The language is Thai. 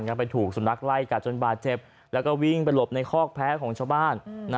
ไปถูกสุนัขไล่กัดจนบาดเจ็บแล้วก็วิ่งไปหลบในคอกแพ้ของชาวบ้าน